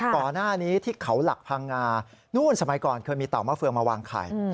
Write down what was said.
ก่อนหน้านี้ที่เขาหลักพังงานู่นสมัยก่อนเคยมีเต่ามะเฟืองมาวางไข่